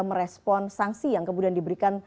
merespon sanksi yang kemudian diberikan